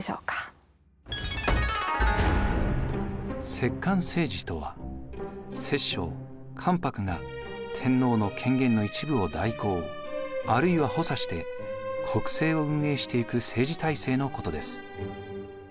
摂関政治とは摂政・関白が天皇の権限の一部を代行あるいは補佐して国政を運営していく政治体制のことです。